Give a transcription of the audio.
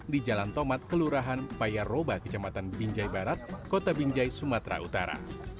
di jalan tomat kelurahan payaroba kecamatan binjai barat kota binjai sumatera utara